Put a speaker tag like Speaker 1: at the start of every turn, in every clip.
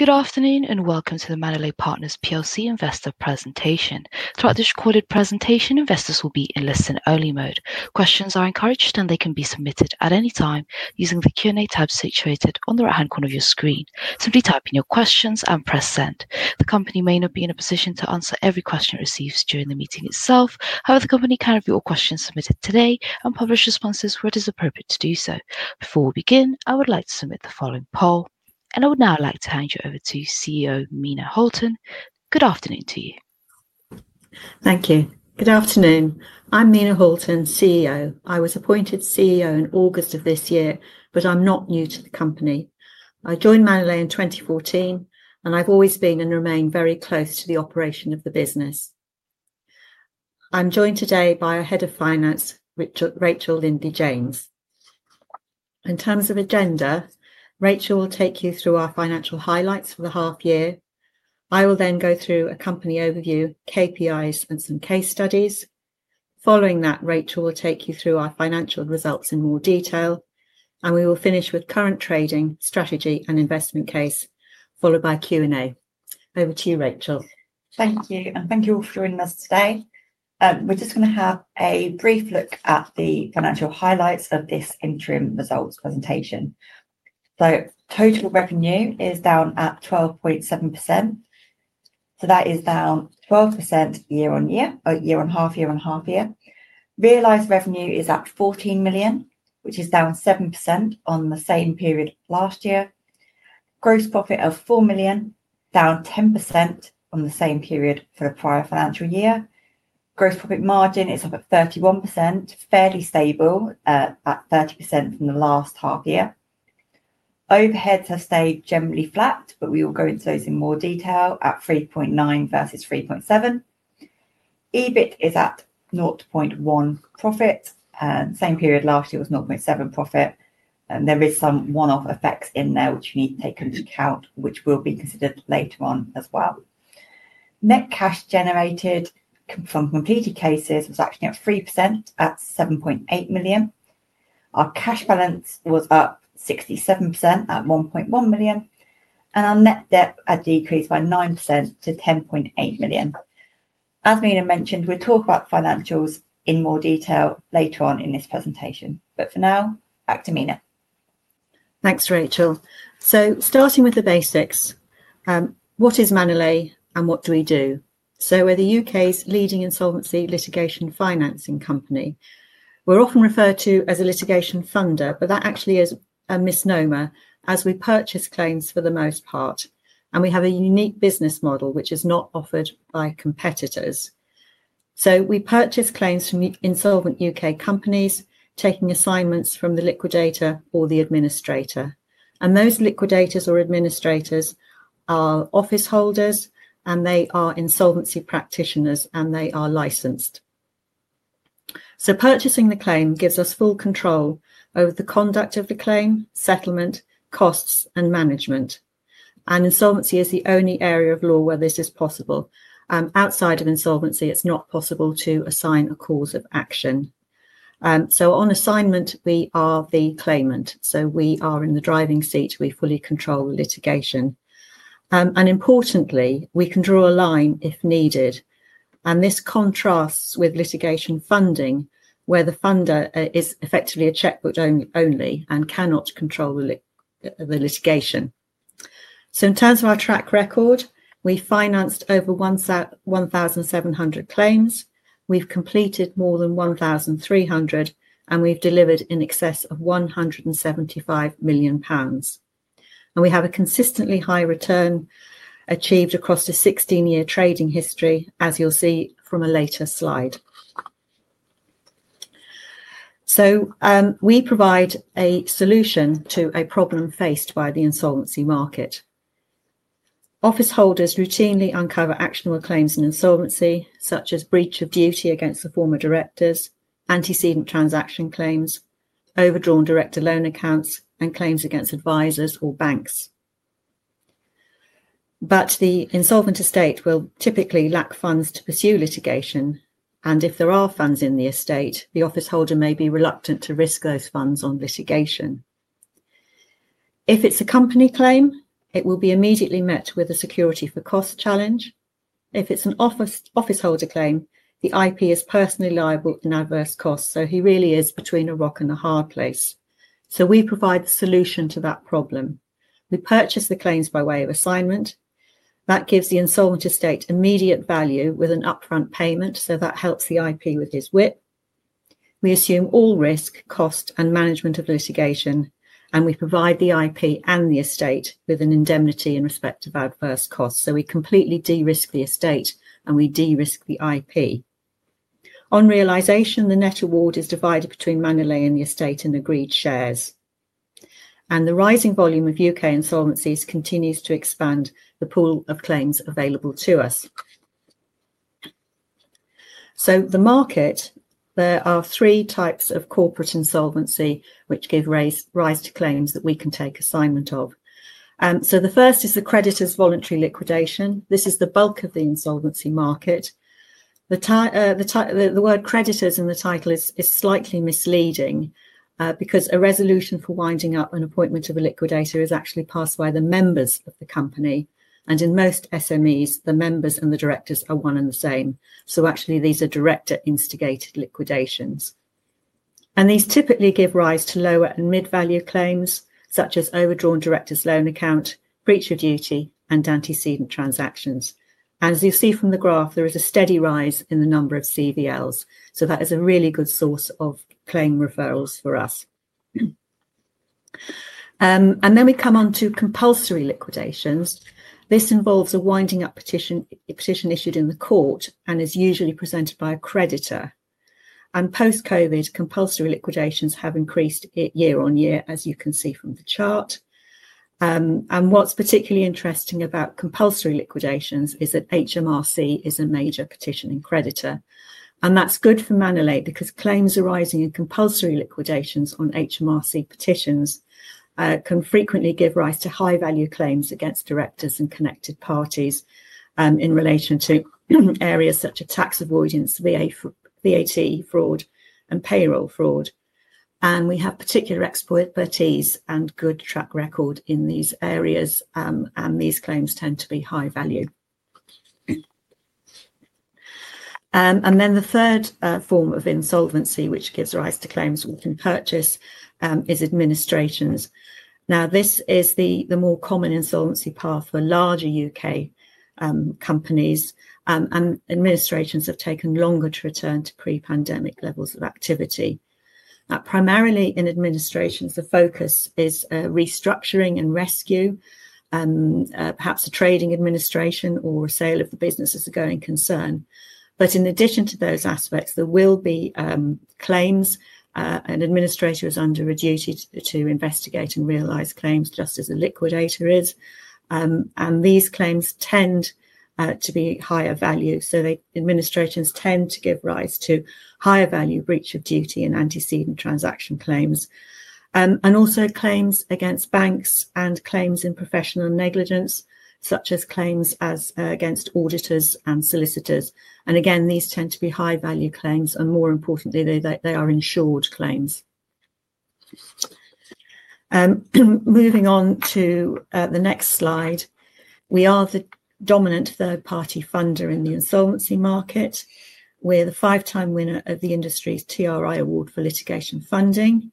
Speaker 1: Good afternoon and welcome to the Manolete Partners PLC investor presentation. Throughout this recorded presentation, investors will be in listen-only mode. Questions are encouraged, and they can be submitted at any time using the Q&A tab situated on the right-hand corner of your screen. Simply type in your questions and press send. The company may not be in a position to answer every question it receives during the meeting itself. However, the company can review all questions submitted today and publish responses where it is appropriate to do so. Before we begin, I would like to submit the following poll, and I would now like to hand you over to CEO Mena Halton. Good afternoon to you.
Speaker 2: Thank you. Good afternoon. I'm Mena Halton, CEO. I was appointed CEO in August of this year, but I'm not new to the company. I joined Manolete in 2014, and I've always been and remain very close to the operation of the business. I'm joined today by our Head of Finance, Rachel Lindley-Janes. In terms of agenda, Rachel will take you through our financial highlights for the half year. I will then go through a company overview, KPIs, and some case studies. Following that, Rachel will take you through our financial results in more detail, and we will finish with current trading, strategy, and investment case, followed by Q&A. Over to you, Rachel.
Speaker 3: Thank you, and thank you all for joining us today. We're just going to have a brief look at the financial highlights of this interim results presentation. Total revenue is down at 12.7%. That is down 12% year-on-year, or year on half year, on half year. Realized revenue is up 14 million, which is down 7% on the same period last year. Gross profit of 4 million, down 10% on the same period for the prior financial year. Gross profit margin is up at 31%, fairly stable at 30% from the last half year. Overheads have stayed generally flat, but we will go into those in more detail at 3.9 million versus 3.7 million. EBIT is at 0.1 million profit. Same period last year was 0.7 million profit, and there are some one-off effects in there which you need to take into account, which will be considered later on as well. Net cash generated from completed cases was actually at 3% at 7.8 million. Our cash balance was up 67% at 1.1 million, and our net debt had decreased by 9% to 10.8 million. As Mena mentioned, we'll talk about financials in more detail later on in this presentation, but for now, back to Mena.
Speaker 2: Thanks, Rachel. Starting with the basics, what is Manolete and what do we do? We're the U.K.'s leading insolvency litigation financing company. We're often referred to as a litigation funder, but that actually is a misnomer as we purchase claims for the most part, and we have a unique business model which is not offered by competitors. We purchase claims from insolvent U.K. companies, taking assignments from the liquidator or the administrator. Those liquidators or administrators are office holders, and they are insolvency practitioners, and they are licensed. Purchasing the claim gives us full control over the conduct of the claim, settlement, costs, and management. Insolvency is the only area of law where this is possible. Outside of insolvency, it's not possible to assign a cause of action. On assignment, we are the claimant. We are in the driving seat. We fully control the litigation. Importantly, we can draw a line if needed. This contrasts with litigation funding, where the funder is effectively a checkbook only and cannot control the litigation. In terms of our track record, we financed over 1,700 claims. We have completed more than 1,300, and we have delivered in excess of 175 million pounds. We have a consistently high return achieved across the 16-year trading history, as you will see from a later slide. We provide a solution to a problem faced by the insolvency market. Office holders routinely uncover actionable claims in insolvency, such as breach of duty against the former directors, antecedent transaction claims, overdrawn director loan accounts, and claims against advisors or banks. The insolvent estate will typically lack funds to pursue litigation, and if there are funds in the estate, the office holder may be reluctant to risk those funds on litigation. If it is a company claim, it will be immediately met with a security for cost challenge. If it is an office holder claim, the IP is personally liable in adverse costs, so he really is between a rock and a hard place. We provide the solution to that problem. We purchase the claims by way of assignment. That gives the insolvent estate immediate value with an upfront payment, so that helps the IP with his WIP. We assume all risk, cost, and management of litigation, and we provide the IP and the estate with an indemnity in respect of adverse costs. We completely de-risk the estate, and we de-risk the IP. On realization, the net award is divided between Manolete and the estate in agreed shares. The rising volume of U.K. insolvencies continues to expand the pool of claims available to us. The market, there are three types of corporate insolvency which give rise to claims that we can take assignment of. The first is the creditors' voluntary liquidation. This is the bulk of the insolvency market. The word creditors in the title is slightly misleading because a resolution for winding up and appointment of a liquidator is actually passed by the members of the company. In most SMEs, the members and the directors are one and the same. Actually, these are director instigated liquidations. These typically give rise to lower and mid-value claims, such as overdrawn director loan account, breach of duty, and antecedent transactions. As you see from the graph, there is a steady rise in the number of CVLs. That is a really good source of claim referrals for us. We come on to compulsory liquidations. This involves a winding up petition issued in the court and is usually presented by a creditor. Post-COVID, compulsory liquidations have increased year-on-year, as you can see from the chart. What's particularly interesting about compulsory liquidations is that HMRC is a major petitioning creditor. That's good for Manolete because claims arising in compulsory liquidations on HMRC petitions can frequently give rise to high-value claims against directors and connected parties in relation to areas such as tax avoidance, VAT fraud, and payroll fraud. We have particular expertise and good track record in these areas, and these claims tend to be high value. Then the third form of insolvency, which gives rise to claims we can purchase, is administrations. This is the more common insolvency path for larger U.K. companies, and administrations have taken longer to return to pre-pandemic levels of activity. Primarily in administrations, the focus is restructuring and rescue, perhaps a trading administration or sale of the business as a going concern. In addition to those aspects, there will be claims, and administrators are under a duty to investigate and realize claims, just as a liquidator is. These claims tend to be higher value, so the administrations tend to give rise to higher value breach of duty and antecedent transaction claims. There are also claims against banks and claims in professional negligence, such as claims against auditors and solicitors. These tend to be high-value claims, and more importantly, they are insured claims. Moving on to the next slide, we are the dominant third-party funder in the insolvency market. We're the five-time winner of the industry's TRI Award for litigation funding,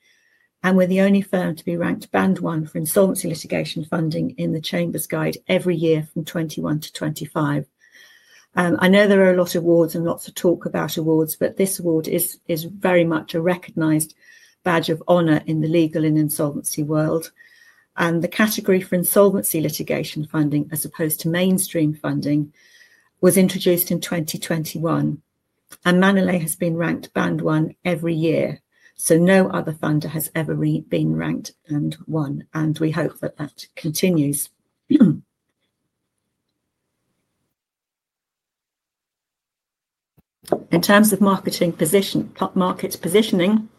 Speaker 2: and we're the only firm to be ranked Band 1 for insolvency litigation funding in the Chamber's Guide every year from 2021 to 2025. I know there are a lot of awards and lots of talk about awards, but this award is very much a recognized badge of honor in the legal and insolvency world. The category for insolvency litigation funding, as opposed to mainstream funding, was introduced in 2021, and Manolete has been ranked Band 1 every year. No other funder has ever been ranked Band 1, and we hope that that continues. In terms of market positioning,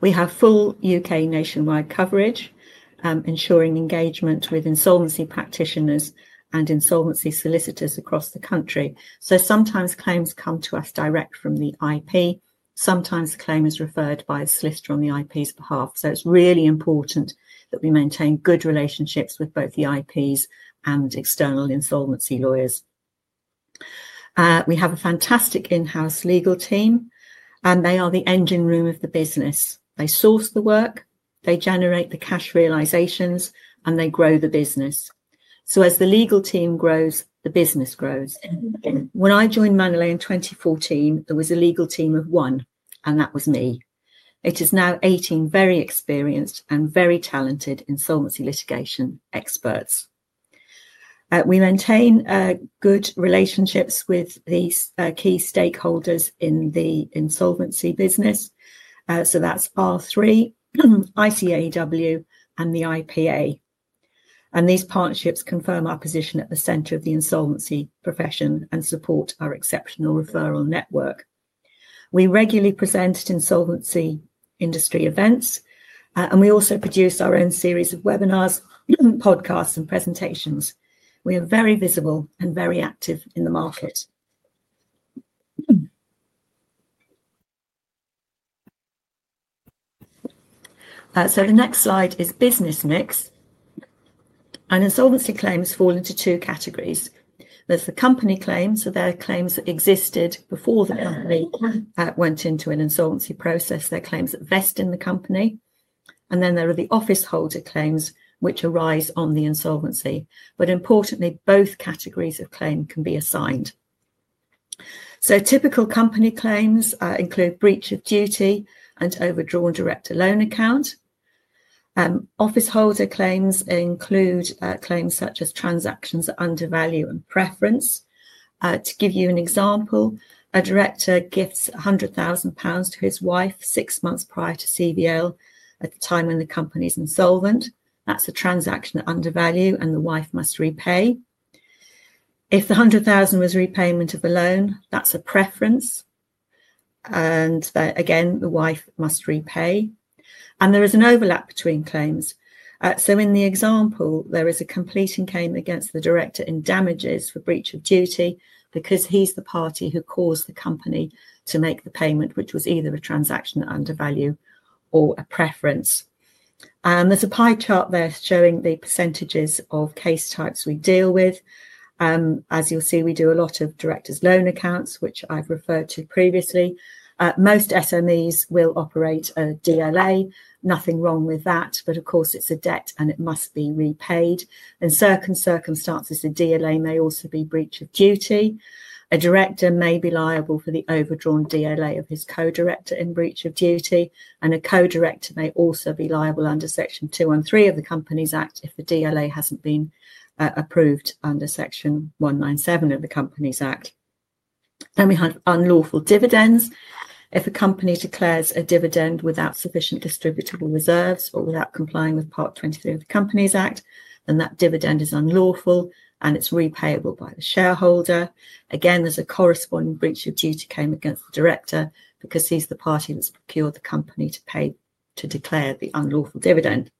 Speaker 2: we have full U.K. nationwide coverage, ensuring engagement with insolvency practitioners and insolvency solicitors across the country. Sometimes claims come to us direct from the IP. Sometimes the claim is referred by a solicitor on the IP's behalf. It is really important that we maintain good relationships with both the IPs and external insolvency lawyers. We have a fantastic in-house legal team, and they are the engine room of the business. They source the work, they generate the cash realizations, and they grow the business. As the legal team grows, the business grows. When I joined Manolete in 2014, there was a legal team of one, and that was me. It is now 18 very experienced and very talented insolvency litigation experts. We maintain good relationships with these key stakeholders in the insolvency business. That is R3, ICAEW, and the IPA. These partnerships confirm our position at the center of the insolvency profession and support our exceptional referral network. We regularly present insolvency industry events, and we also produce our own series of webinars, podcasts, and presentations. We are very visible and very active in the market. The next slide is business mix. Insolvency claims fall into two categories. There are the company claims, so they are claims that existed before the company went into an insolvency process. They are claims that vest in the company. There are the office holder claims, which arise on the insolvency. Importantly, both categories of claim can be assigned. Typical company claims include breach of duty and overdrawn director loan account. Office holder claims include claims such as transactions under value and preference. To give you an example, a director gifts 100,000 pounds to his wife six months prior to CVL, at the time when the company is insolvent. That is a transaction under value, and the wife must repay. If the 100,000 was repayment of a loan, that's a preference. Again, the wife must repay. There is an overlap between claims. In the example, there is a completing claim against the director in damages for breach of duty because he's the party who caused the company to make the payment, which was either a transaction under value or a preference. There's a pie chart there showing the % of case types we deal with. As you'll see, we do a lot of director's loan accounts, which I've referred to previously. Most SMEs will operate a DLA. Nothing wrong with that, but of course, it's a debt, and it must be repaid. In certain circumstances, a DLA may also be breach of duty. A director may be liable for the overdrawn DLA of his co-director in breach of duty, and a co-director may also be liable under Section 203 of the Companies Act if the DLA has not been approved under Section 197 of the Companies Act. We have unlawful dividends. If a company declares a dividend without sufficient distributable reserves or without complying with Part 23 of the Companies Act, that dividend is unlawful, and it is repayable by the shareholder. Again, there is a corresponding breach of duty claim against the director because he is the party that has procured the company to declare the unlawful dividend.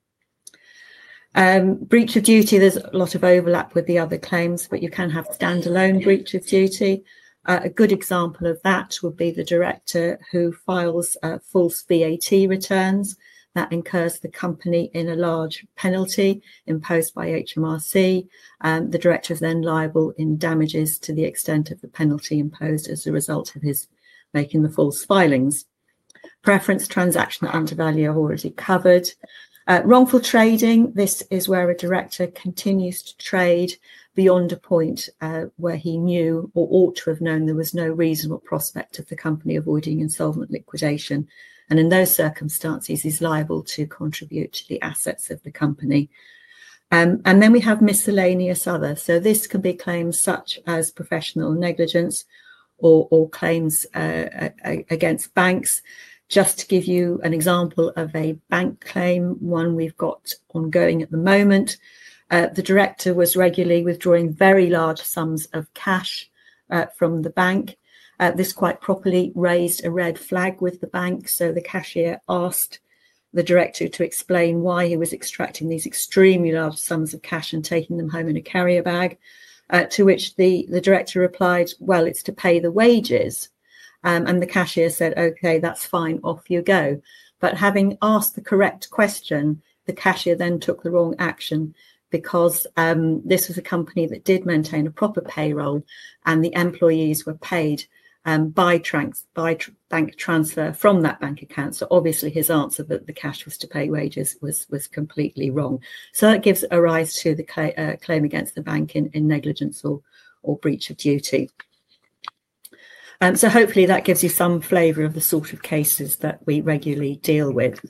Speaker 2: Breach of duty, there is a lot of overlap with the other claims, but you can have standalone breach of duty. A good example of that would be the director who files false VAT returns. That incurs the company in a large penalty imposed by HMRC, and the director is then liable in damages to the extent of the penalty imposed as a result of his making the false filings. Preference, transaction under value are already covered. Wrongful trading, this is where a director continues to trade beyond a point where he knew or ought to have known there was no reasonable prospect of the company avoiding insolvent liquidation. In those circumstances, he's liable to contribute to the assets of the company. We have miscellaneous others. This can be claims such as professional negligence or claims against banks. Just to give you an example of a bank claim, one we've got ongoing at the moment, the director was regularly withdrawing very large sums of cash from the bank. This quite properly raised a red flag with the bank, so the cashier asked the director to explain why he was extracting these extremely large sums of cash and taking them home in a carrier bag, to which the director replied, "Well, it's to pay the wages." The cashier said, "Okay, that's fine. Off you go." Having asked the correct question, the cashier then took the wrong action because this was a company that did maintain a proper payroll, and the employees were paid by bank transfer from that bank account. Obviously, his answer that the cash was to pay wages was completely wrong. That gives a rise to the claim against the bank in negligence or breach of duty. Hopefully, that gives you some flavor of the sort of cases that we regularly deal with.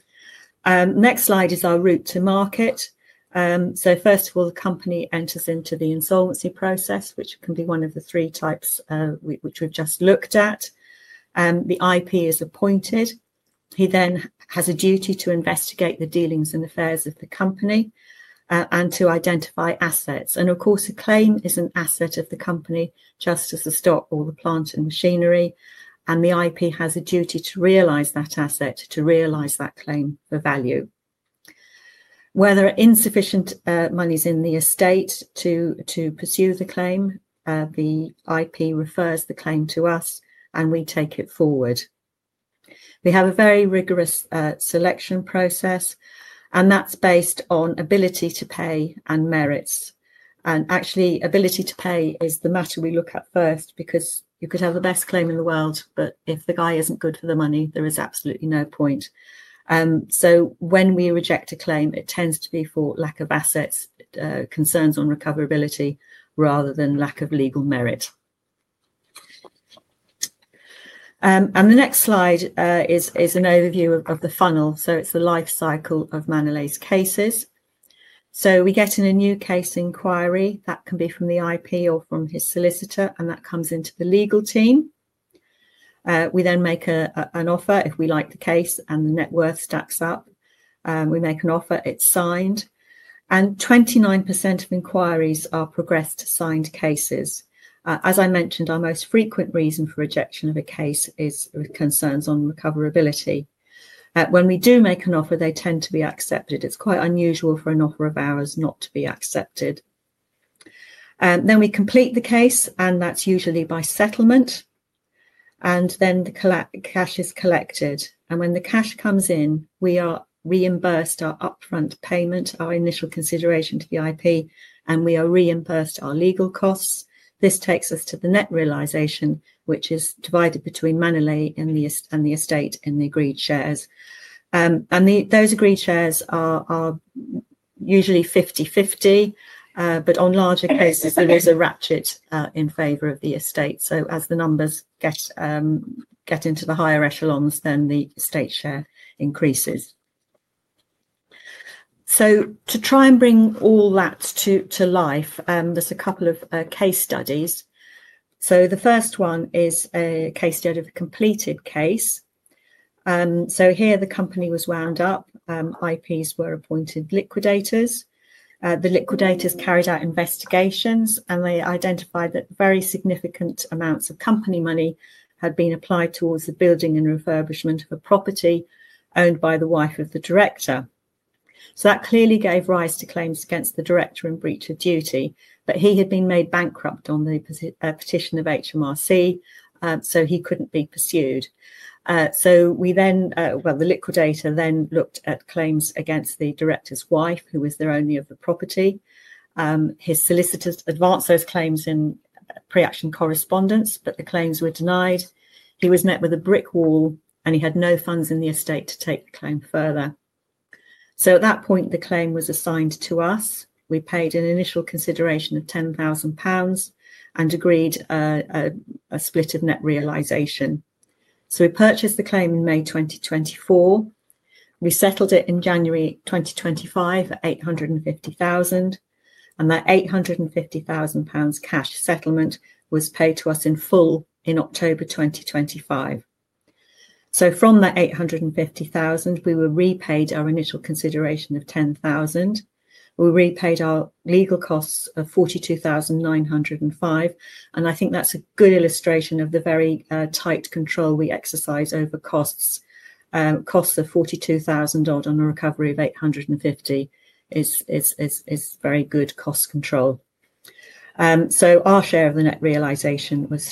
Speaker 2: Next slide is our route to market. First of all, the company enters into the insolvency process, which can be one of the three types which we've just looked at. The IP is appointed. He then has a duty to investigate the dealings and affairs of the company and to identify assets. Of course, a claim is an asset of the company, just as the stock or the plant and machinery. The IP has a duty to realize that asset, to realize that claim for value. Whether insufficient money is in the estate to pursue the claim, the IP refers the claim to us, and we take it forward. We have a very rigorous selection process, and that's based on ability to pay and merits. Actually, ability to pay is the matter we look at first because you could have the best claim in the world, but if the guy isn't good for the money, there is absolutely no point. When we reject a claim, it tends to be for lack of assets, concerns on recoverability, rather than lack of legal merit. The next slide is an overview of the funnel. It is the life cycle of Manolete's cases. We get in a new case inquiry that can be from the IP or from his solicitor, and that comes into the legal team. We then make an offer if we like the case, and the net worth stacks up. We make an offer. It is signed. 29% of inquiries are progressed to signed cases. As I mentioned, our most frequent reason for rejection of a case is concerns on recoverability. When we do make an offer, they tend to be accepted. It's quite unusual for an offer of ours not to be accepted. We complete the case, and that's usually by settlement. The cash is collected. When the cash comes in, we are reimbursed our upfront payment, our initial consideration to the IP, and we are reimbursed our legal costs. This takes us to the net realization, which is divided between Manolete and the estate in the agreed shares. Those agreed shares are usually 50/50, but on larger cases, there is a ratchet in favor of the estate. As the numbers get into the higher echelons, the estate share increases. To try and bring all that to life, there's a couple of case studies. The first one is a case study of a completed case. Here, the company was wound up. IPs were appointed liquidators. The liquidators carried out investigations, and they identified that very significant amounts of company money had been applied towards the building and refurbishment of a property owned by the wife of the director. That clearly gave rise to claims against the director in breach of duty, but he had been made bankrupt on the petition of HMRC, so he could not be pursued. The liquidator then looked at claims against the director's wife, who was the owner of the property. His solicitors advanced those claims in pre-action correspondence, but the claims were denied. He was met with a brick wall, and he had no funds in the estate to take the claim further. At that point, the claim was assigned to us. We paid an initial consideration of 10,000 pounds and agreed a split of net realization. We purchased the claim in May 2024. We settled it in January 2025 at 850,000. That 850,000 pounds cash settlement was paid to us in full in October 2025. From that 850,000, we were repaid our initial consideration of 10,000. We were repaid our legal costs of 42,905. I think that's a good illustration of the very tight control we exercise over costs. Costs of $42,000 on a recovery of 850 is very good cost control. Our share of the net realization was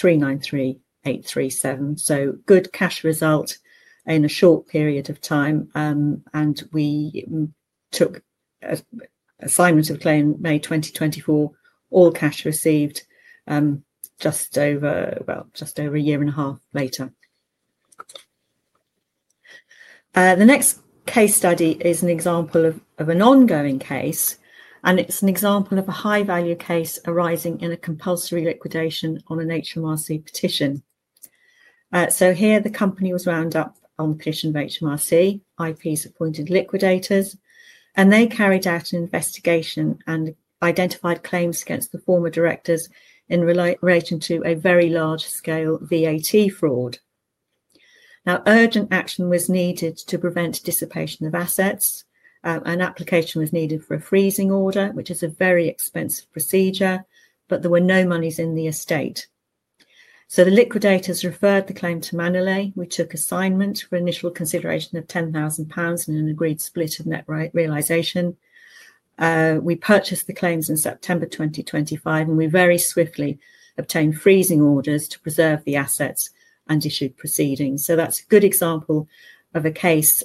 Speaker 2: 393,837. Good cash result in a short period of time. We took assignment of claim May 2024, all cash received just over, just over a year and a half later. The next case study is an example of an ongoing case, and it's an example of a high-value case arising in a compulsory liquidation on an HMRC petition. Here, the company was wound up on the petition of HMRC. IPs appointed liquidators, and they carried out an investigation and identified claims against the former directors in relation to a very large-scale VAT fraud. Now, urgent action was needed to prevent dissipation of assets. An application was needed for a freezing order, which is a very expensive procedure, but there were no monies in the estate. The liquidators referred the claim to Manolete. We took assignment for initial consideration of 10,000 pounds and an agreed split of net realization. We purchased the claims in September 2025, and we very swiftly obtained freezing orders to preserve the assets and issued proceedings. That's a good example of a case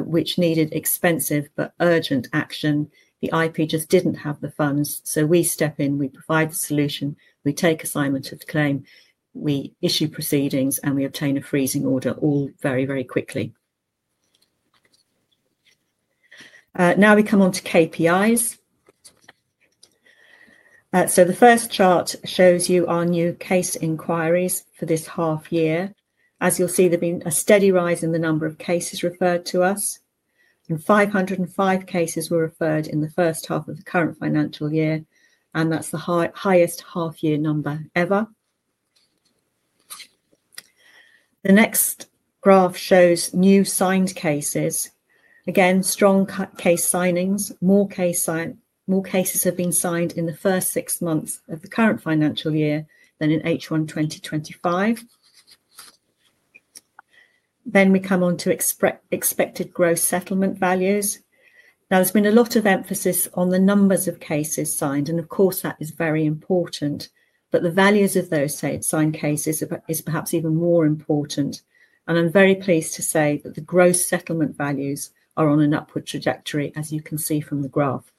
Speaker 2: which needed expensive but urgent action. The IP just didn't have the funds. We step in. We provide the solution. We take assignment of the claim. We issue proceedings, and we obtain a freezing order all very, very quickly. Now we come on to KPIs. The first chart shows you our new case inquiries for this half year. As you'll see, there's been a steady rise in the number of cases referred to us. 505 cases were referred in the first half of the current financial year, and that's the highest half-year number ever. The next graph shows new signed cases. Again, strong case signings. More cases have been signed in the first six months of the current financial year than in H1 2025. We come on to expected gross settlement values. Now, there's been a lot of emphasis on the numbers of cases signed, and of course, that is very important. The values of those signed cases is perhaps even more important. I'm very pleased to say that the gross settlement values are on an upward trajectory, as you can see from the graph.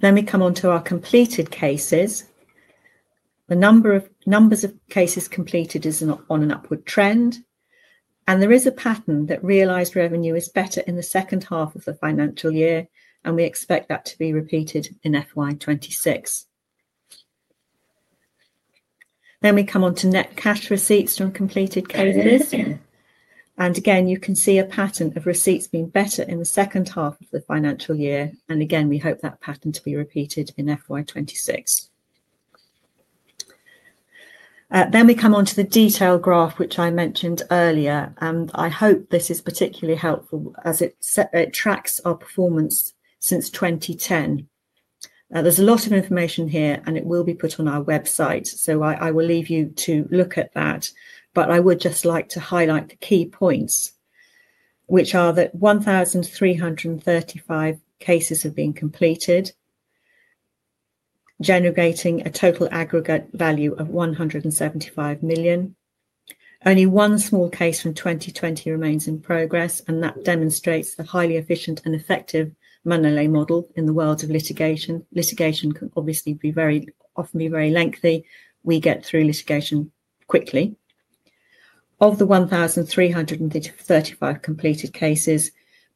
Speaker 2: We come on to our completed cases. The numbers of cases completed are on an upward trend. There is a pattern that realized revenue is better in the second half of the financial year, and we expect that to be repeated in FY2026. We come on to net cash receipts from completed cases. Again, you can see a pattern of receipts being better in the second half of the financial year. We hope that pattern to be repeated in FY2026. We come on to the detailed graph, which I mentioned earlier. I hope this is particularly helpful as it tracks our performance since 2010. There is a lot of information here, and it will be put on our website. I will leave you to look at that. I would just like to highlight the key points, which are that 1,335 cases have been completed, generating a total aggregate value of 175 million. Only one small case from 2020 remains in progress, and that demonstrates the highly efficient and effective Manolete model in the world of litigation. Litigation can obviously often be very lengthy. We get through litigation quickly. Of the 1,335 completed cases,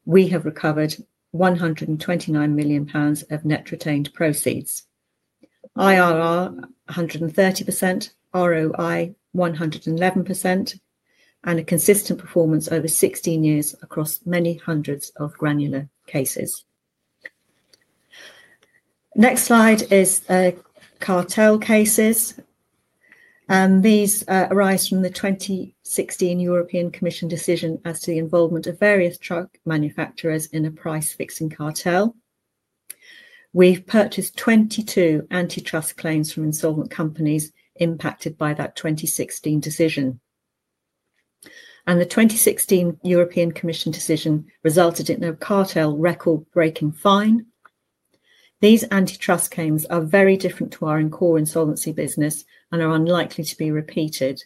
Speaker 2: we have recovered 129 million pounds of net retained proceeds, IRR 130%, ROI 111%, and a consistent performance over 16 years across many hundreds of granular cases. Next slide is cartel cases. These arise from the 2016 European Commission decision as to the involvement of various truck manufacturers in a price-fixing cartel. We've purchased 22 antitrust claims from insolvent companies impacted by that 2016 decision. The 2016 European Commission decision resulted in a cartel record-breaking fine. These antitrust claims are very different to our in-core insolvency business and are unlikely to be repeated.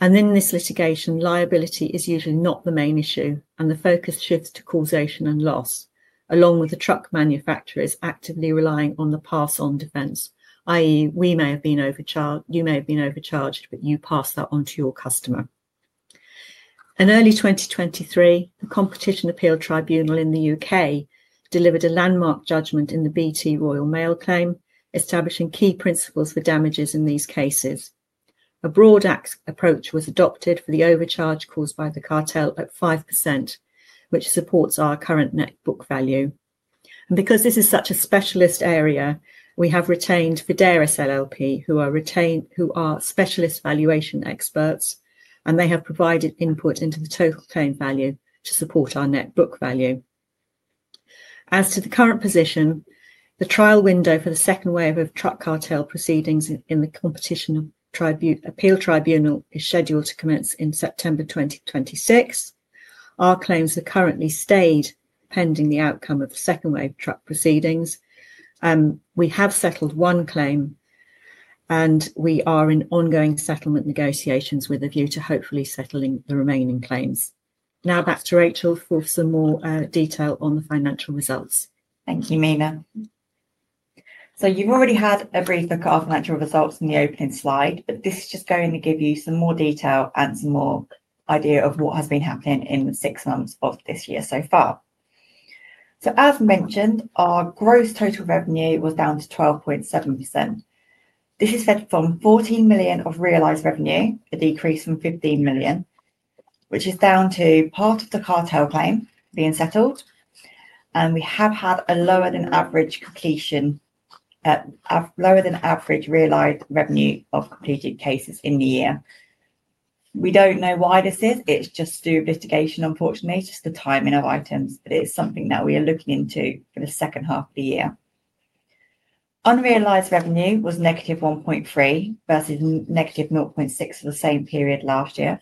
Speaker 2: In this litigation, liability is usually not the main issue, and the focus shifts to causation and loss, along with the truck manufacturers actively relying on the pass-on defense, i.e., we may have been overcharged, you may have been overcharged, but you pass that on to your customer. In early 2023, the Competition Appeal Tribunal in the U.K. delivered a landmark judgment in the BT Royal Mail claim, establishing key principles for damages in these cases. A broad approach was adopted for the overcharge caused by the cartel at 5%, which supports our current net book value. Because this is such a specialist area, we have retained Fideras LLP, who are specialist valuation experts, and they have provided input into the total claim value to support our net book value. As to the current position, the trial window for the second wave of truck cartel proceedings in the Competition Appeal Tribunal is scheduled to commence in September 2026. Our claims have currently stayed pending the outcome of the second wave of truck proceedings. We have settled one claim, and we are in ongoing settlement negotiations with a view to hopefully settling the remaining claims. Now, back to Rachel for some more detail on the financial results.
Speaker 3: Thank you, Mena. You have already had a brief look at our financial results in the opening slide, but this is just going to give you some more detail and some more idea of what has been happening in the six months of this year so far. As mentioned, our gross total revenue was down to 12.7%. This is fed from 14 million of realized revenue, a decrease from 15 million, which is down to part of the cartel claim being settled. We have had a lower-than-average completion, lower-than-average realized revenue of completed cases in the year. We do not know why this is. It is just due to litigation, unfortunately, just the timing of items. It is something that we are looking into for the second half of the year. Unrealized revenue was negative 1.3 million versus negative 0.6 million for the same period last year.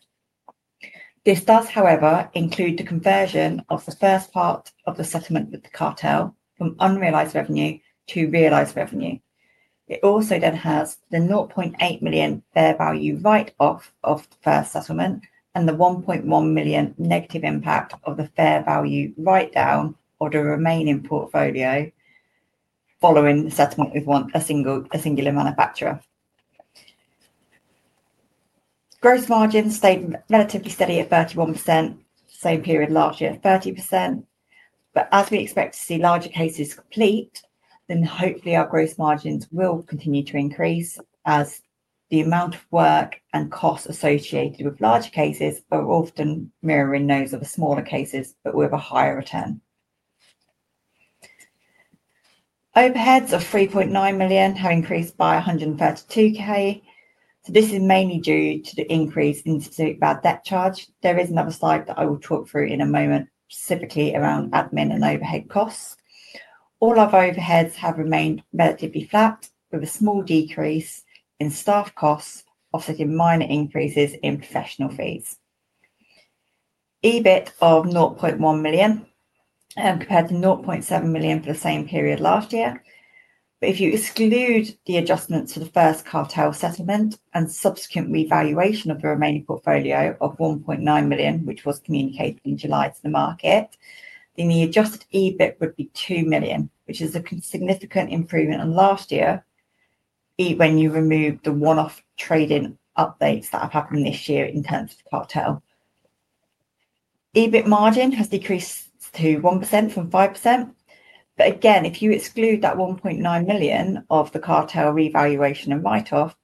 Speaker 3: This does, however, include the conversion of the first part of the settlement with the cartel from unrealized revenue to realized revenue. It also then has the 0.8 million fair value write-off of the first settlement and the 1.1 million negative impact of the fair value write-down of the remaining portfolio following the settlement with a singular manufacturer. Gross margins stayed relatively steady at 31%, same period last year at 30%. As we expect to see larger cases complete, hopefully our gross margins will continue to increase as the amount of work and costs associated with larger cases are often mirroring those of the smaller cases, but with a higher return. Overheads of 3.9 million have increased by 132,000. This is mainly due to the increase in specific bad debt charge. There is another slide that I will talk through in a moment, specifically around admin and overhead costs. All our overheads have remained relatively flat, with a small decrease in staff costs offsetting minor increases in professional fees. EBIT of 0.1 million compared to 0.7 million for the same period last year. If you exclude the adjustment to the first cartel settlement and subsequent revaluation of the remaining portfolio of 1.9 million, which was communicated in July to the market, then the adjusted EBIT would be 2 million, which is a significant improvement on last year, when you remove the one-off trading updates that have happened this year in terms of the cartel. EBIT margin has decreased to 1% from 5%. If you exclude that 1.9 million of the cartel revaluation and write-off,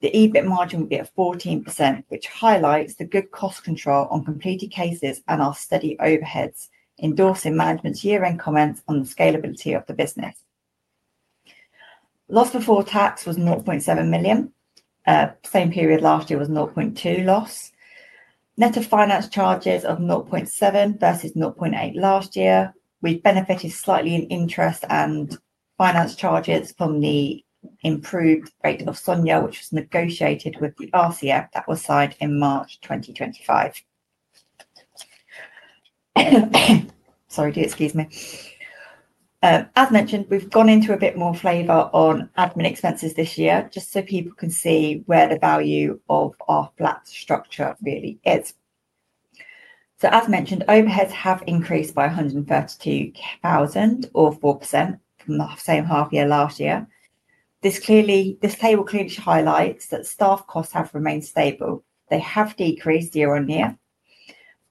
Speaker 3: the EBIT margin will be at 14%, which highlights the good cost control on completed cases and our steady overheads, endorsing management's year-end comments on the scalability of the business. Loss before tax was 0.7 million. Same period last year was 0.2 million loss. Net of finance charges of 0.7 million versus 0.8 million last year. We've benefited slightly in interest and finance charges from the improved rate of SONIA, which was negotiated with the RCF that was signed in March 2025. Sorry, do excuse me. As mentioned, we've gone into a bit more flavor on admin expenses this year, just so people can see where the value of our flat structure really is. As mentioned, overheads have increased by 132,000 or 4% from the same half year last year. This table clearly highlights that staff costs have remained stable. They have decreased year-on-year.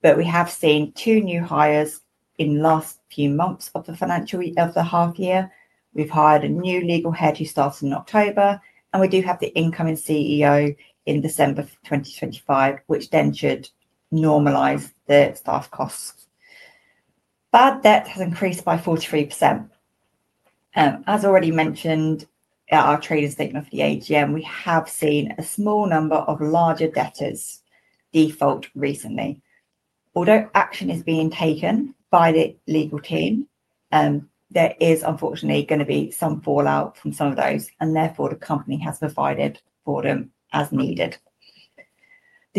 Speaker 3: We have seen two new hires in the last few months of the financial of the half year. We have hired a new legal head who starts in October. We do have the incoming CEO in December 2025, which then should normalize the staff costs. Bad debt has increased by 43%. As already mentioned in our trading statement for the AGM, we have seen a small number of larger debtors default recently. Although action is being taken by the legal team, there is unfortunately going to be some fallout from some of those, and therefore the company has provided for them as needed.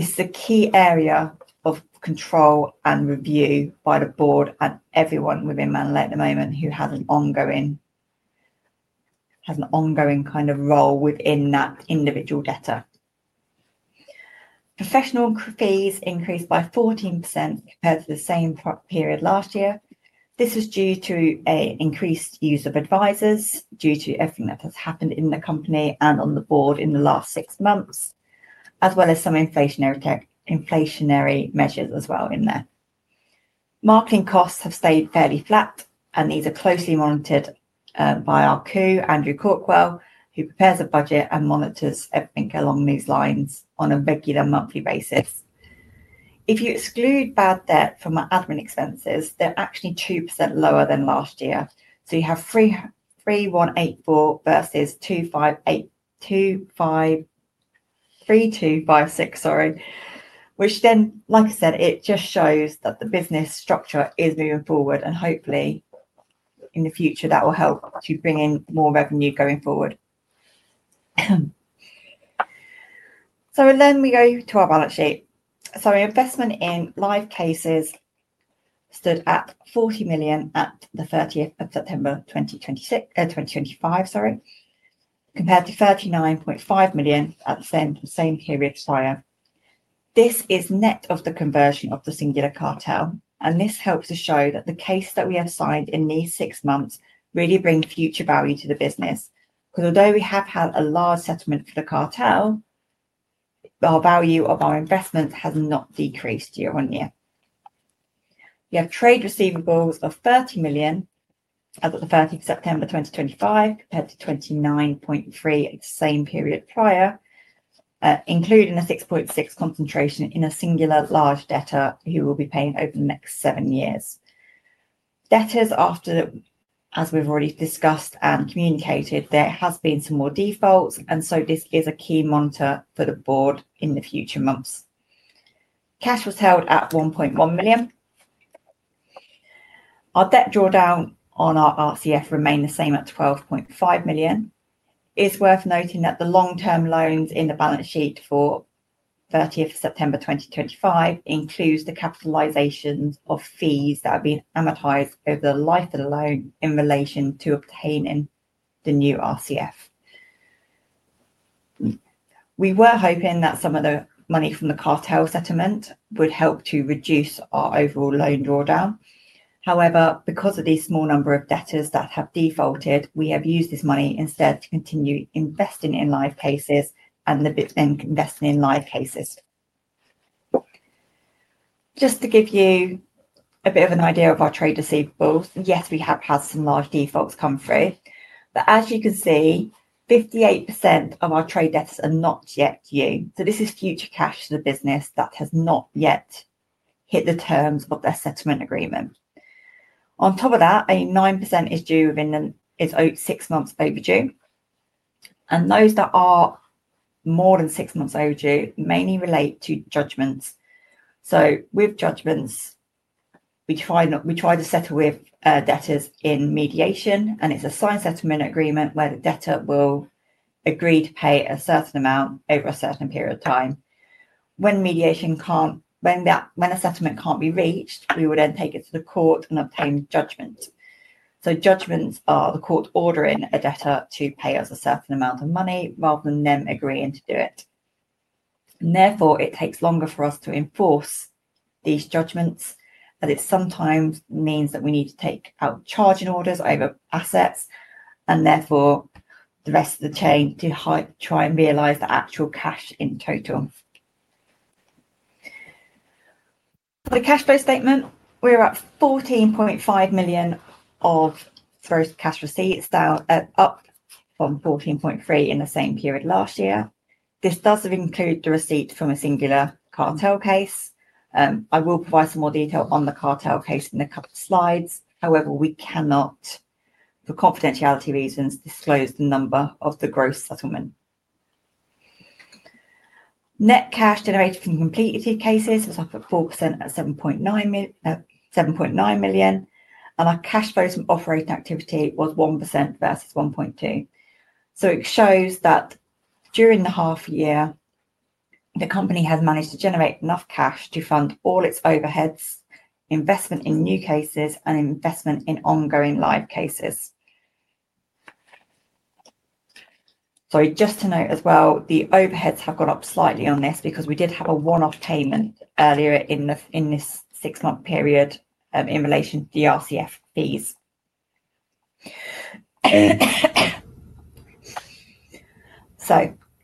Speaker 3: This is a key area of control and review by the board and everyone within Manolete at the moment who has an ongoing kind of role within that individual debtor. Professional fees increased by 14% compared to the same period last year. This is due to an increased use of advisors due to everything that has happened in the company and on the board in the last six months, as well as some inflationary measures as well in there. Marketing costs have stayed fairly flat, and these are closely monitored by our Head of Finance, Andrew Corkwell, who prepares a budget and monitors everything along these lines on a regular monthly basis. If you exclude bad debt from our admin expenses, they're actually 2% lower than last year. So you have 3,184 versus 2,556, sorry, which then, like I said, it just shows that the business structure is moving forward, and hopefully in the future, that will help to bring in more revenue going forward. We go to our balance sheet. Investment in live cases stood at 40 million at the 30th of September 2025, sorry, compared to 39.5 million at the same period prior. This is net of the conversion of the singular cartel. This helps to show that the case that we have signed in these six months really brings future value to the business. Because although we have had a large settlement for the cartel, our value of our investment has not decreased year-on-year. We have trade receivables of 30 million as of the 30th of September 2025, compared to 29.3 million at the same period prior, including a 6.6 million concentration in a singular large debtor who will be paying over the next seven years. Debtors after, as we have already discussed and communicated, there has been some more defaults. This is a key monitor for the board in the future months. Cash was held at 1.1 million. Our debt drawdown on our RCF remained the same at 12.5 million. It is worth noting that the long-term loans in the balance sheet for 30th of September 2025 include the capitalization of fees that have been amortized over the life of the loan in relation to obtaining the new RCF. We were hoping that some of the money from the cartel settlement would help to reduce our overall loan drawdown. However, because of the small number of debtors that have defaulted, we have used this money instead to continue investing in live cases and investing in live cases. Just to give you a bit of an idea of our trade receivables, yes, we have had some large defaults come through. As you can see, 58% of our trade debts are not yet due. This is future cash to the business that has not yet hit the terms of their settlement agreement. On top of that, 9% is due within six months overdue. Those that are more than six months overdue mainly relate to judgments. With judgments, we try to settle with debtors in mediation. It is a signed settlement agreement where the debtor will agree to pay a certain amount over a certain period of time. When mediation cannot, when a settlement cannot be reached, we will then take it to the court and obtain judgments. Judgments are the court ordering a debtor to pay us a certain amount of money rather than them agreeing to do it. Therefore, it takes longer for us to enforce these judgments, as it sometimes means that we need to take out charging orders over assets and the rest of the chain to try and realize the actual cash in total. For the cash flow statement, we are at 14.5 million of gross cash receipts now, up from 14.3 million in the same period last year. This does include the receipts from a singular cartel case. I will provide some more detail on the cartel case in a couple of slides. However, we cannot, for confidentiality reasons, disclose the number of the gross settlement. Net cash generated from completed cases was up at 4% at 7.9 million. Our cash flow from operating activity was 1% versus 1.2 million. It shows that during the half year, the company has managed to generate enough cash to fund all its overheads, investment in new cases, and investment in ongoing live cases. Sorry, just to note as well, the overheads have gone up slightly on this because we did have a one-off payment earlier in this six-month period in relation to the RCF fees.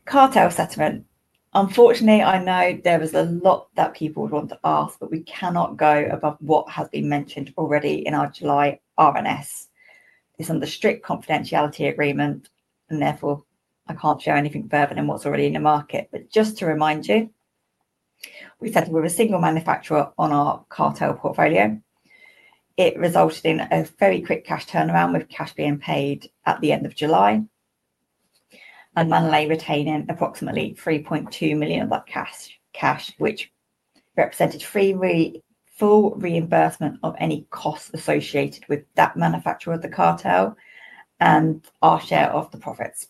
Speaker 3: Cartel settlement. Unfortunately, I know there was a lot that people would want to ask, but we cannot go above what has been mentioned already in our July R&S. This is under strict confidentiality agreement, and therefore I can't share anything further than what's already in the market. Just to remind you, we said we were a single manufacturer on our cartel portfolio. It resulted in a very quick cash turnaround with cash being paid at the end of July and Manolete retaining approximately 3.2 million of that cash, which represented full reimbursement of any costs associated with that manufacturer of the cartel and our share of the profits.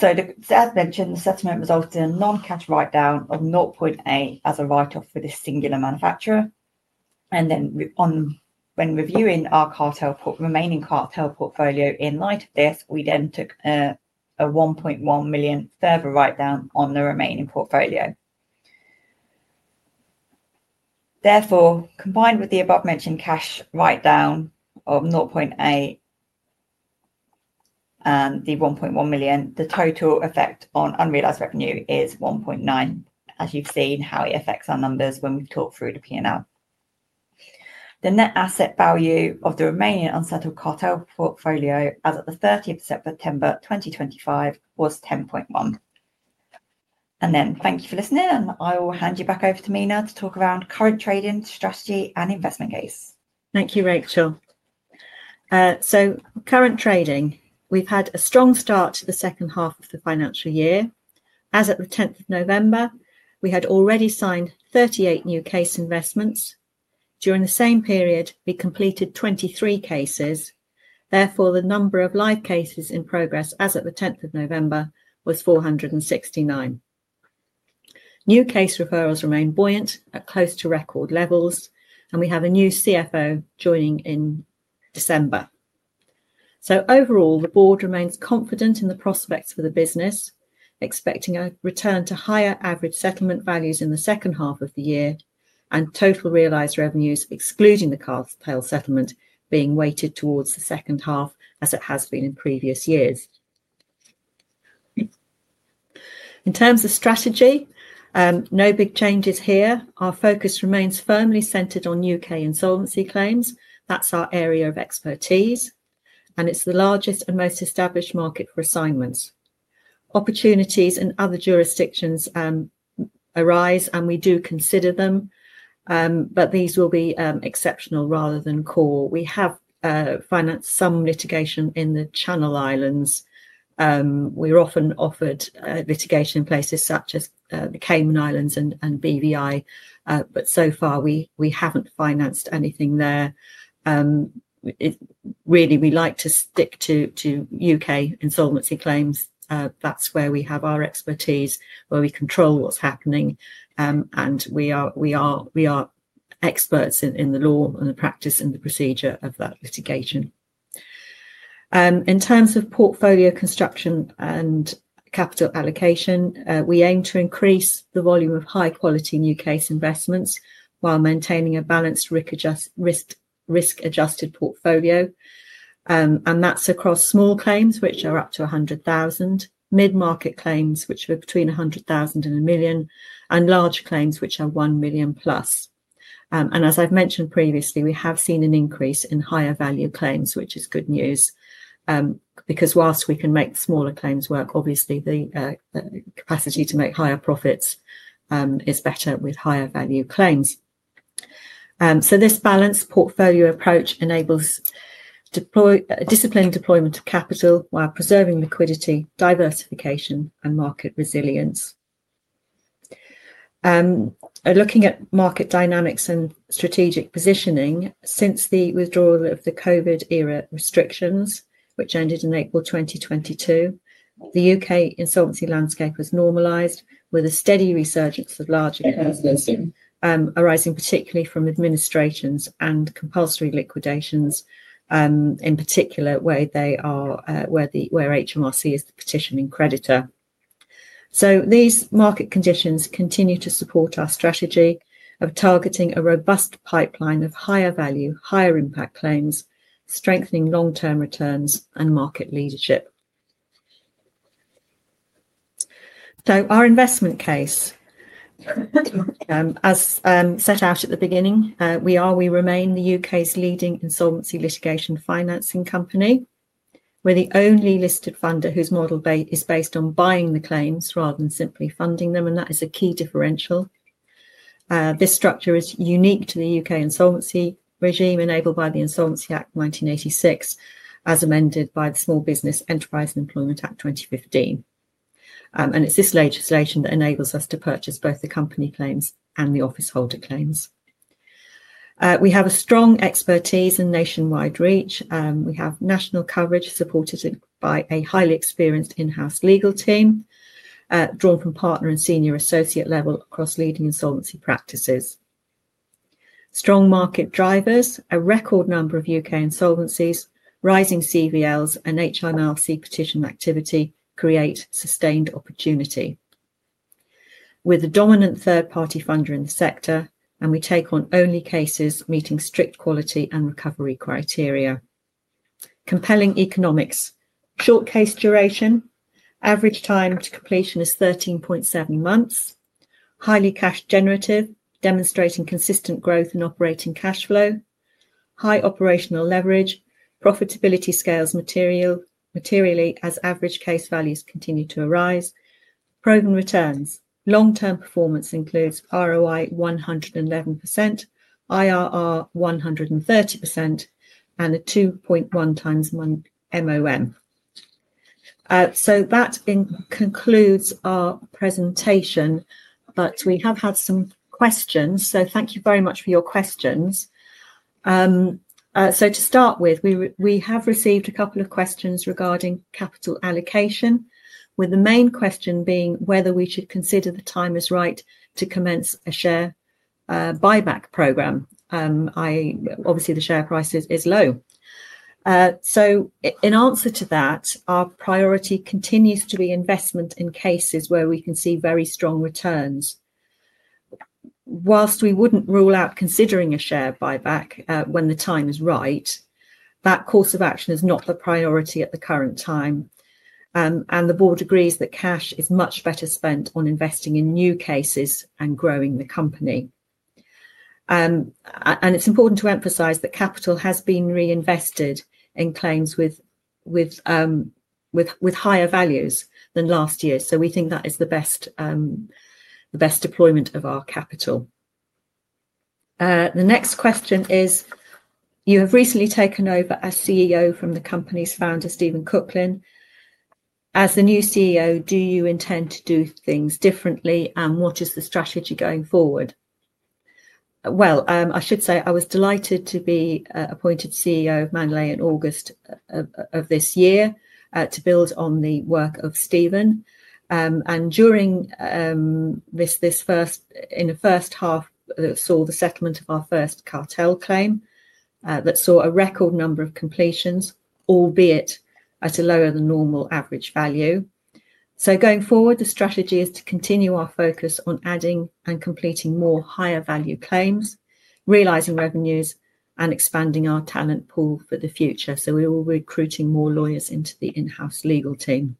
Speaker 3: As mentioned, the settlement resulted in a non-cash write-down of 0.8 million as a write-off for this singular manufacturer. When reviewing our remaining cartel portfolio in light of this, we then took a 1.1 million further write-down on the remaining portfolio. Therefore, combined with the above-mentioned cash write-down of 0.8 million and the 1.1 million, the total effect on unrealized revenue is 1.9 million, as you have seen how it affects our numbers when we talk through the P&L. The net asset value of the remaining unsettled cartel portfolio as of the 30th of September 2025 was 10.1 million. Thank you for listening. I will hand you back over to Mena to talk around current trading strategy and investment case.
Speaker 2: Thank you, Rachel. Current trading, we have had a strong start to the second half of the financial year. As of the 10th of November, we had already signed 38 new case investments. During the same period, we completed 23 cases. Therefore, the number of live cases in progress as of the 10th of November was 469. New case referrals remain buoyant at close to record levels, and we have a new CFO joining in December. Overall, the board remains confident in the prospects for the business, expecting a return to higher average settlement values in the second half of the year and total realized revenues, excluding the cartel settlement, being weighted towards the second half as it has been in previous years. In terms of strategy, no big changes here. Our focus remains firmly centered on U.K. insolvency claims. That's our area of expertise, and it's the largest and most established market for assignments. Opportunities in other jurisdictions arise, and we do consider them, but these will be exceptional rather than core. We have financed some litigation in the Channel Islands. We were often offered litigation in places such as the Cayman Islands and British Virgin Islands, but so far we haven't financed anything there. Really, we like to stick to U.K. insolvency claims. That's where we have our expertise, where we control what's happening, and we are experts in the law and the practice and the procedure of that litigation. In terms of portfolio construction and capital allocation, we aim to increase the volume of high-quality new case investments while maintaining a balanced risk-adjusted portfolio. That is across small claims, which are up to 100,000, mid-market claims, which are between 100,000 and 1 million, and large claims, which are 1 million plus. As I have mentioned previously, we have seen an increase in higher value claims, which is good news. Because whilst we can make smaller claims work, obviously the capacity to make higher profits is better with higher value claims. This balanced portfolio approach enables disciplined deployment of capital while preserving liquidity, diversification, and market resilience. Looking at market dynamics and strategic positioning, since the withdrawal of the COVID-era restrictions, which ended in April 2022, the U.K. insolvency landscape has normalized with a steady resurgence of large accounts arising particularly from administrations and compulsory liquidations, in particular where HMRC is the petitioning creditor. These market conditions continue to support our strategy of targeting a robust pipeline of higher value, higher impact claims, strengthening long-term returns, and market leadership. Our investment case, as set out at the beginning, is that we are and we remain the U.K.'s leading insolvency litigation financing company. We are the only listed funder whose model is based on buying the claims rather than simply funding them, and that is a key differential. This structure is unique to the U.K. insolvency regime enabled by the Insolvency Act 1986, as amended by the Small Business Enterprise and Employment Act 2015. It is this legislation that enables us to purchase both the company claims and the office holder claims. We have strong expertise and nationwide reach. We have national coverage supported by a highly experienced in-house legal team drawn from partner and senior associate level across leading insolvency practices. Strong market drivers, a record number of U.K. insolvencies, rising CVLs, and HMRC petition activity create sustained opportunity. With a dominant third-party funder in the sector, and we take on only cases meeting strict quality and recovery criteria. Compelling economics, short case duration, average time to completion is 13.7 months, highly cash generative, demonstrating consistent growth in operating cash flow, high operational leverage, profitability scales materially as average case values continue to arise, proven returns, long-term performance includes ROI 111%, IRR 130%, and a 2.1 times month MOM. That concludes our presentation, but we have had some questions. Thank you very much for your questions. To start with, we have received a couple of questions regarding capital allocation, with the main question being whether we should consider the time is right to commence a share buyback program. Obviously, the share price is low. In answer to that, our priority continues to be investment in cases where we can see very strong returns. Whilst we would not rule out considering a share buyback when the time is right, that course of action is not the priority at the current time. The board agrees that cash is much better spent on investing in new cases and growing the company. It is important to emphasize that capital has been reinvested in claims with higher values than last year. We think that is the best deployment of our capital. The next question is, you have recently taken over as CEO from the company's founder, Stephen Cooklin. As the new CEO, do you intend to do things differently, and what is the strategy going forward? I should say I was delighted to be appointed CEO of Manolete in August of this year to build on the work of Stephen. During this first half, that saw the settlement of our first cartel claim, that saw a record number of completions, albeit at a lower than normal average value. Going forward, the strategy is to continue our focus on adding and completing more higher value claims, realizing revenues, and expanding our talent pool for the future. We are recruiting more lawyers into the in-house legal team.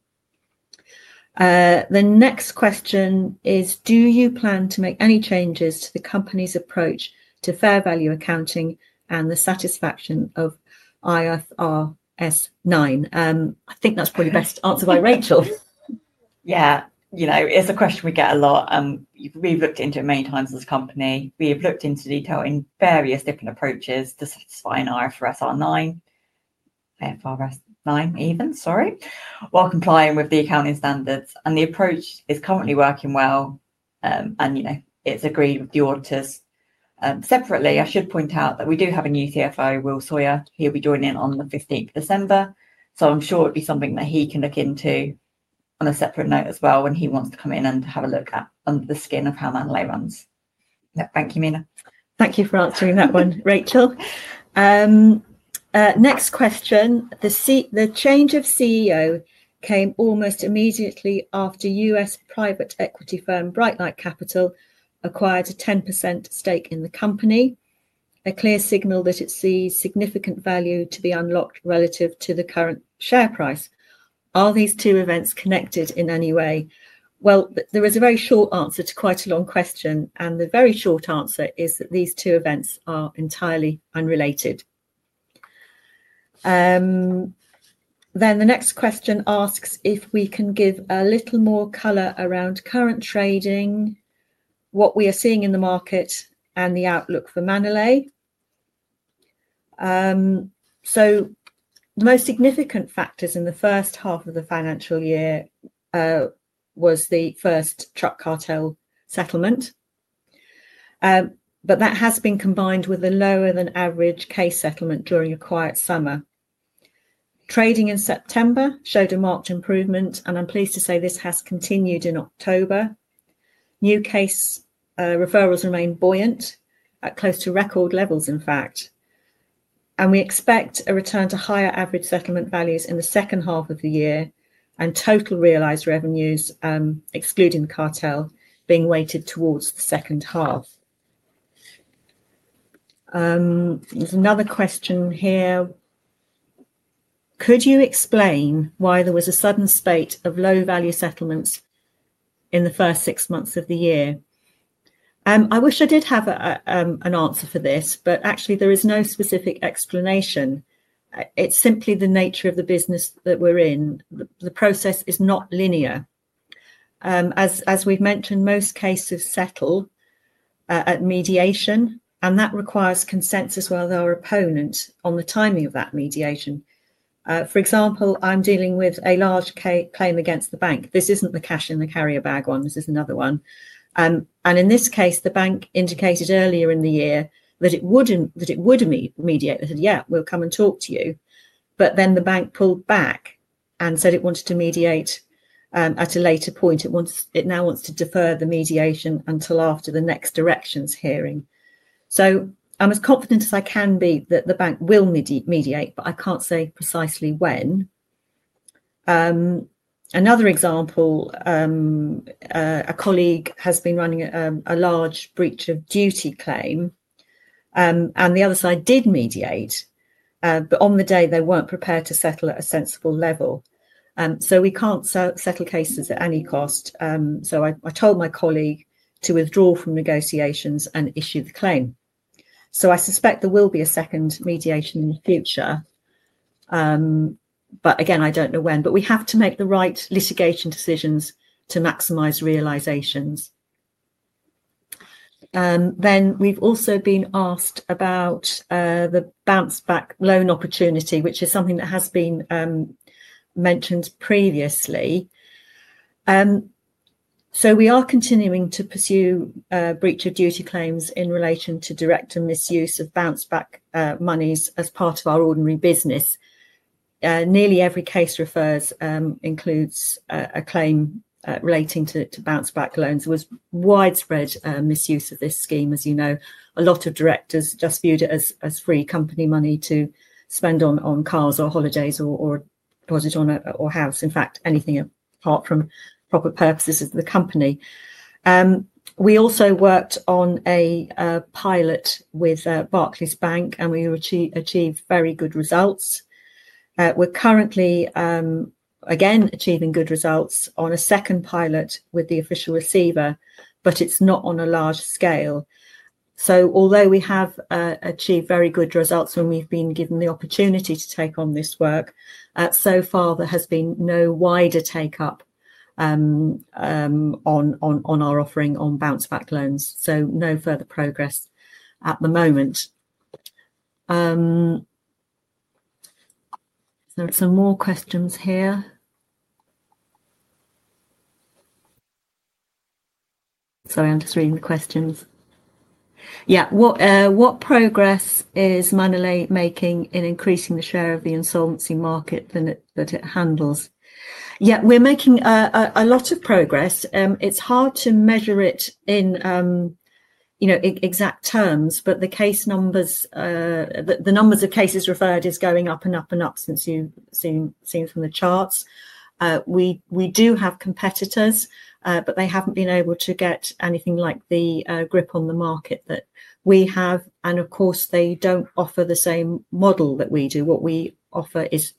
Speaker 2: The next question is, do you plan to make any changes to the company's approach to fair value accounting and the satisfaction of IFRS 9? I think that's probably best answered by Rachel.
Speaker 3: Yeah, it's a question we get a lot. We've looked into it many times as a company. We have looked into detail in various different approaches to satisfying IFRS 9, IFRS 9 even, sorry, while complying with the accounting standards. The approach is currently working well, and it's agreed with the auditors. Separately, I should point out that we do have a new CFO, Will Sawyer. He'll be joining on the 15th of December. I am sure it would be something that he can look into on a separate note as well when he wants to come in and have a look at under the skin of how Manolete runs. Thank you, Mena.
Speaker 2: Thank you for answering that one, Rachel. Next question. The change of CEO came almost immediately after US private equity firm Brightlight Capital acquired a 10% stake in the company, a clear signal that it sees significant value to be unlocked relative to the current share price. Are these two events connected in any way? There is a very short answer to quite a long question, and the very short answer is that these two events are entirely unrelated. The next question asks if we can give a little more color around current trading, what we are seeing in the market, and the outlook for Manolete. The most significant factors in the first half of the financial year was the first truck cartel settlement, but that has been combined with a lower than average case settlement during a quiet summer. Trading in September showed a marked improvement, and I'm pleased to say this has continued in October. New case referrals remain buoyant, close to record levels, in fact. We expect a return to higher average settlement values in the second half of the year, and total realized revenues, excluding the cartel, being weighted towards the second half. There's another question here. Could you explain why there was a sudden spate of low value settlements in the first six months of the year? I wish I did have an answer for this, but actually there is no specific explanation. It's simply the nature of the business that we're in. The process is not linear. As we've mentioned, most cases settle at mediation, and that requires consensus while they are opponents on the timing of that mediation. For example, I'm dealing with a large claim against the bank. This isn't the cash in the carrier bag one. This is another one. In this case, the bank indicated earlier in the year that it would mediate. They said, "Yeah, we'll come and talk to you." The bank pulled back and said it wanted to mediate at a later point. It now wants to defer the mediation until after the next directions hearing. I'm as confident as I can be that the bank will mediate, but I can't say precisely when. Another example, a colleague has been running a large breach of duty claim, and the other side did mediate, but on the day they were not prepared to settle at a sensible level. We can't settle cases at any cost. I told my colleague to withdraw from negotiations and issue the claim. I suspect there will be a second mediation in the future. I don't know when, but we have to make the right litigation decisions to maximize realizations. We have also been asked about the bounce-back loan opportunity, which is something that has been mentioned previously. We are continuing to pursue breach of duty claims in relation to direct misuse of bounce-back monies as part of our ordinary business. Nearly every case includes a claim relating to bounce-back loans. There was widespread misuse of this scheme, as you know. A lot of directors just viewed it as free company money to spend on cars or holidays or deposit on a house. In fact, anything apart from proper purposes of the company. We also worked on a pilot with Barclays Bank, and we achieved very good results. We are currently, again, achieving good results on a second pilot with the official receiver, but it is not on a large scale. Although we have achieved very good results when we've been given the opportunity to take on this work, so far there has been no wider take-up on our offering on bounce-back loans. No further progress at the moment. There are some more questions here. Sorry, I'm just reading the questions. Yeah. What progress is Manolete making in increasing the share of the insolvency market that it handles? Yeah, we're making a lot of progress. It's hard to measure it in exact terms, but the case numbers, the numbers of cases referred, is going up and up and up since you've seen from the charts. We do have competitors, but they haven't been able to get anything like the grip on the market that we have. Of course, they don't offer the same model that we do. What we offer is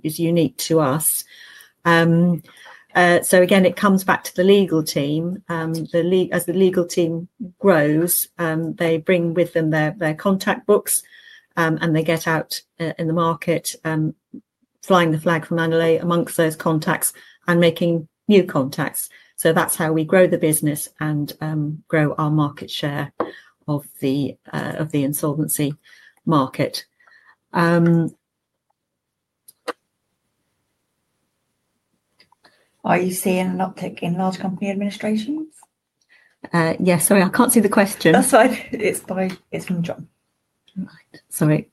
Speaker 2: unique to us. Again, it comes back to the legal team. As the legal team grows, they bring with them their contact books, and they get out in the market flying the flag for Manolete amongst those contacts and making new contacts. That is how we grow the business and grow our market share of the insolvency market.
Speaker 3: Are you seeing an uptick in large company administrations?
Speaker 2: Yes. Sorry, I cannot see the question.
Speaker 3: That is fine. It is from John.
Speaker 2: Sorry.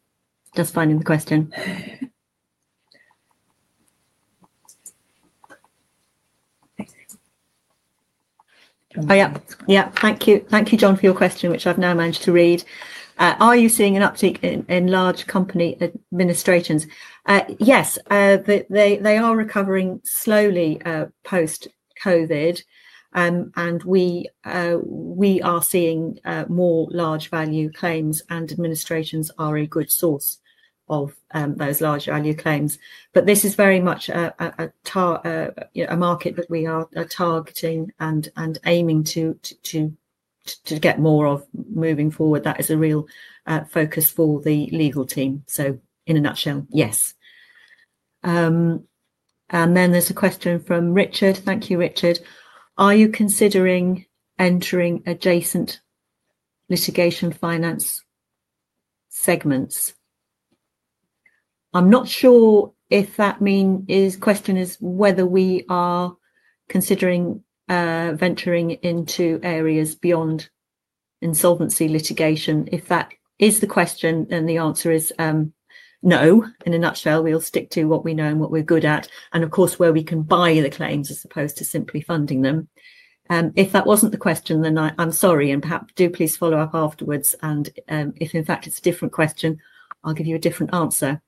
Speaker 2: Just finding the question. Oh, yeah. Yeah. Thank you. Thank you, John, for your question, which I have now managed to read. Are you seeing an uptick in large company administrations? Yes. They are recovering slowly post-COVID, and we are seeing more large value claims, and administrations are a good source of those large value claims. This is very much a market that we are targeting and aiming to get more of moving forward. That is a real focus for the legal team. In a nutshell, yes. There is a question from Richard. Thank you, Richard. Are you considering entering adjacent litigation finance segments? I'm not sure if that question is whether we are considering venturing into areas beyond insolvency litigation. If that is the question, the answer is no. In a nutshell, we'll stick to what we know and what we're good at, and of course, where we can buy the claims as opposed to simply funding them. If that wasn't the question, then I'm sorry, and perhaps do please follow up afterwards. If in fact it's a different question, I'll give you a different answer.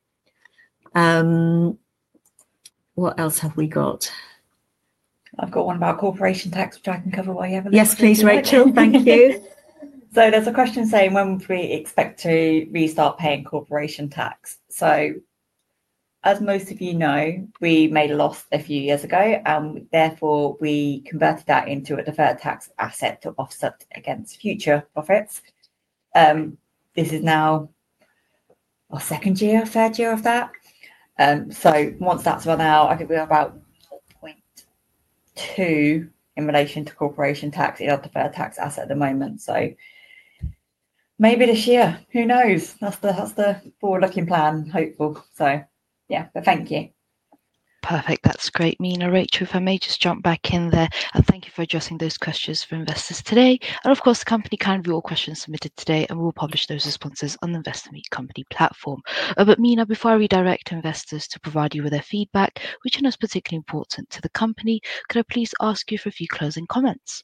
Speaker 2: What else have we got?
Speaker 3: I've got one about corporation tax, which I can cover while you have a look.
Speaker 2: Yes, please, Rachel. Thank you.
Speaker 3: There's a question saying, when would we expect to restart paying corporation tax? As most of you know, we made a loss a few years ago, and therefore we converted that into a deferred tax asset to offset against future profits. This is now our second year, third year of that. Once that's run out, I think we're about 0.2 million in relation to corporation tax in our deferred tax asset at the moment. Maybe this year, who knows? That's the forward-looking plan, hopeful. Yeah, but thank you. Perfect.
Speaker 1: That's great, Mena. Rachel, if I may just jump back in there, and thank you for addressing those questions for investors today. Of course, the company can view all questions submitted today, and we will publish those responses on the Investment Company platform. Mina, before I redirect investors to provide you with their feedback, which I know is particularly important to the company, could I please ask you for a few closing comments?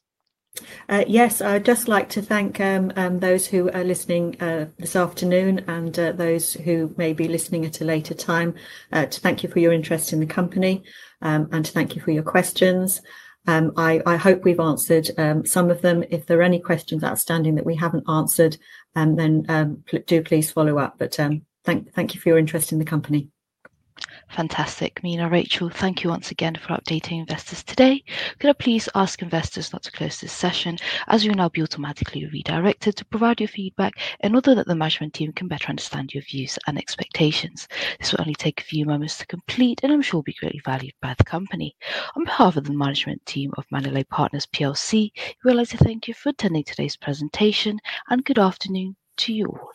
Speaker 2: Yes. I'd just like to thank those who are listening this afternoon and those who may be listening at a later time to thank you for your interest in the company and to thank you for your questions. I hope we've answered some of them. If there are any questions outstanding that we haven't answered, do please follow up. Thank you for your interest in the company.
Speaker 1: Fantastic. Mina, Rachel, thank you once again for updating investors today. Could I please ask investors not to close this session as you will now be automatically redirected to provide your feedback in order that the management team can better understand your views and expectations? This will only take a few moments to complete, and I'm sure it will be greatly valued by the company. On behalf of the management team of Manolete Partners, we would like to thank you for attending today's presentation, and good afternoon to you all.